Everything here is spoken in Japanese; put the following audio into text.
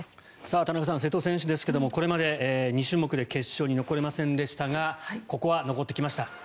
田中さん、瀬戸選手ですがこれまで２種目で決勝に残れませんでしたがここは残ってきました。